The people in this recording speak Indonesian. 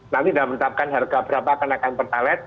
nanti dalam menetapkan harga berapa dinaikkan pertalit